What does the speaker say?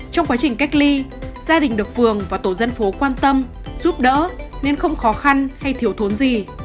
trong quá trình cách ly gia đình được phường và tổ dân phố quan tâm giúp đỡ nên không khó khăn hay thiếu thốn gì